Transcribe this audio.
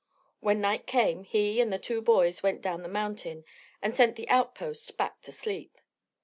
When night came he and the two boys went down the mountain and sent the outpost back to sleep.